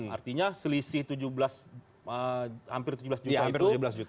artinya selisih tujuh belas hampir tujuh belas juta itu